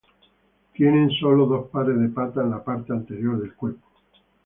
Tienen solo dos pares de patas en la parte anterior del cuerpo.